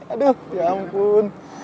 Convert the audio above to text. aduh ya ampun